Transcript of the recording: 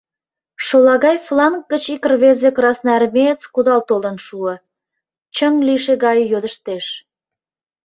Шолагай фланг гыч ик рвезе красноармеец кудал толын шуо, чыҥ лийше гае йодыштеш: